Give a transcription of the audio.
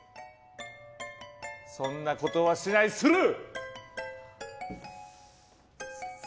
そんなことはしないスルー！